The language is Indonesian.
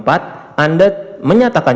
lima puluh empat anda menyatakan